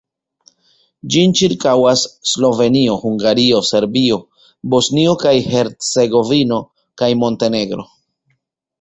Ĝin ĉirkaŭas Slovenio, Hungario, Serbio, Bosnio kaj Hercegovino kaj Montenegro.